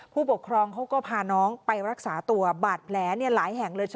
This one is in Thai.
ผู้ปกครองเขาก็พาน้องไปรักษาตัวบาดแผลหลายแห่งเลย